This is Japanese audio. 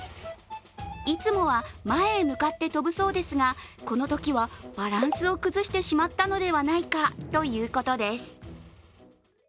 いつもは前へ向かって飛ぶそうですがこのときはバランスを崩してしまったのではないかということです。